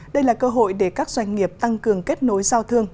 đây là cơ hội để các doanh nghiệp tăng cường kết nối giao thương